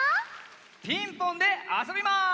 「ピンポン」であそびます。